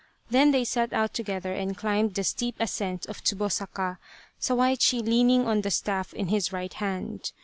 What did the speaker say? Then they set out together and climbed the steep ascent of Tsubo saka, Sawaichi leaning on the staff in his right hand.